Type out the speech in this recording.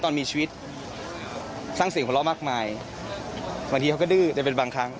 ตอนมีชีวิตสร้างเสียงหัวเราะมากมายบางทีเขาก็ดื้อแต่เป็นบางครั้ง